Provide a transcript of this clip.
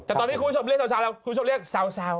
แต่ตอนนี้คุณผู้ชมเรียกเซาแล้วคุณผู้ชมเรียกเซา